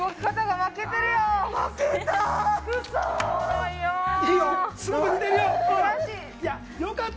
負けた。